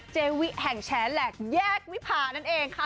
เจวิแห่งแฉแหลกแยกวิพานั่นเองค่ะ